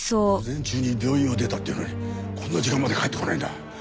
午前中に病院を出たっていうのにこんな時間まで帰ってこないんだ。